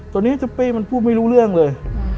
ตอนนี้ซุปปี้มันพูดไม่รู้เรื่องเลย